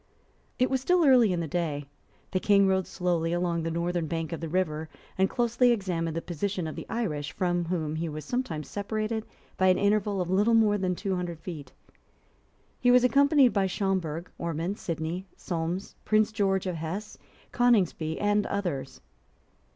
It was still early in the day. The King rode slowly along the northern bank of the river, and closely examined the position of the Irish, from whom he was sometimes separated by an interval of little more than two hundred feet. He was accompanied by Schomberg, Ormond, Sidney, Solmes, Prince George of Hesse, Coningsby, and others.